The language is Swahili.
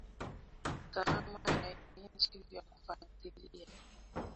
gharama ya chini vya kufuatilia ubora wa hewa